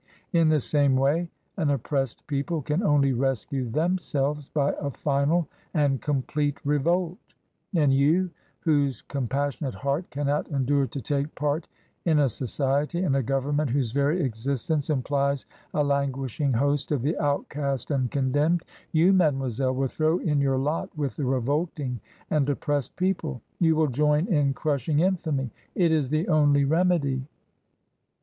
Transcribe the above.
In the same way an oppressed people can only rescue themselves by a final and complete revolt ; and you, whose compassion ate heart cannot endure to take part in a society and a government whose very existence implies a languishing host of the outcast and condemned — you^ mademoiselle, will throw in your lot with the revolting and oppressed people ? You will join in crushing infamy ? It is the only remedy